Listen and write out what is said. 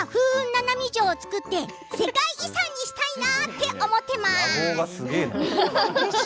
ななみ城」を作って世界遺産にしたいなと思っています。